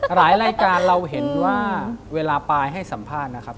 รายการเราเห็นว่าเวลาปายให้สัมภาษณ์นะครับ